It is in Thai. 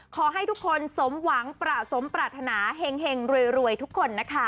ขอให้ทุกคนสมหวังประสมปรารถนาเห็งรวยทุกคนนะคะ